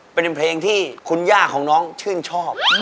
เป็นเพลงที่คุณย่าของน้องชื่นชอบ